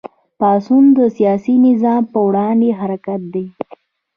پاڅون د سیاسي نظام په وړاندې حرکت دی.